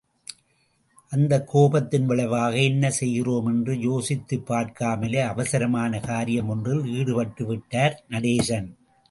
அந்தக் கோபத்தின் விளைவாக, என்ன செய்கிறோம் என்று யோசித்துப் பார்க்காமலேயே அவசரமான காரியம் ஒன்றில் ஈடுபட்டு விட்டார் நடேசன்.